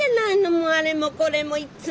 もうあれもこれもいっつもいっつも。